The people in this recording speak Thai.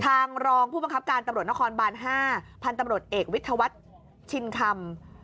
รองผู้บังคับการตำรวจนครบาน๕พันธุ์ตำรวจเอกวิทยาวัฒน์ชินคำ